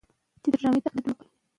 د لیکوال نوم اکثره وخت نه یادېږي.